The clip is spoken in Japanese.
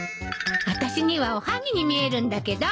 あたしにはおはぎに見えるんだけど